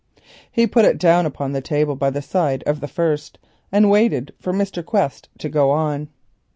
He put it down upon the table by the side of the first and waited for Mr. Quest to go on.